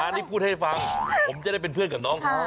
อันนี้พูดให้ฟังผมจะได้เป็นเพื่อนกับน้องเขา